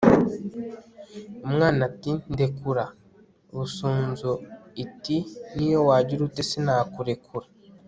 umwana ati ndekura! busunzu itin'iyo wagira ute sinakurekura